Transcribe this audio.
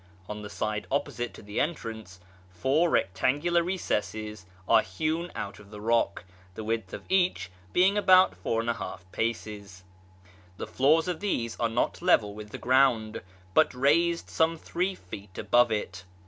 On the side opposite to the entrance, four rectangular recesses are hewn out of the rock, the width of each being about 4l paces. The floors of these are not level with the ground, but raised some three feet above it.